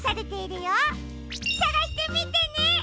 さがしてみてね！